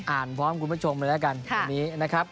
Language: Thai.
อ่านพร้อมคุณผู้ชมเลยละกัน